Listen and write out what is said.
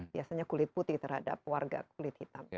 biasanya kulit putih terhadap warga kulit hitam